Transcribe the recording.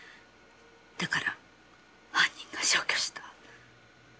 だから犯人が消去した。